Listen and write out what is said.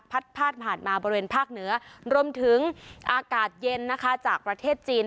พาดผ่านมาบริเวณภาคเหนือรวมถึงอากาศเย็นนะคะจากประเทศจีน